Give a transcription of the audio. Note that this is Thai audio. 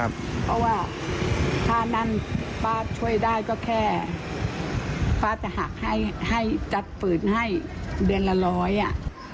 เพราะว่าถ้านั่นป้าช่วยได้ก็แค่ป้าจะหักให้ให้จัดปืนให้เดือนละร้อยอ่ะ